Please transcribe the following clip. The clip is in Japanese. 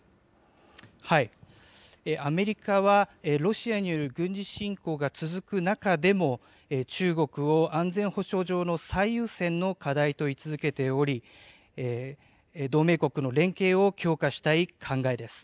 アメリカは、ロシアによる軍事侵攻が続く中でも、中国を安全保障上の最優先の課題と位置づけており、同盟国の連携を強化したい考えです。